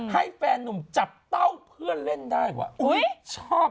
แฟนนุ่มจับเต้าเพื่อนเล่นได้ว่ะ